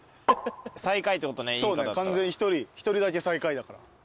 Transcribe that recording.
１人だけ最下位だから。